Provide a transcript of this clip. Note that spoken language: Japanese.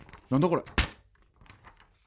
これ。